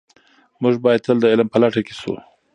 موږ باید تل د علم په لټه کې سو.